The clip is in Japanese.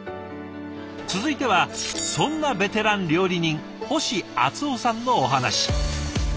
続いてはそんなベテラン料理人星淳男さんのお話。